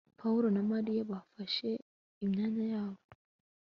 pawulo na mariya bafashe imyanya yabo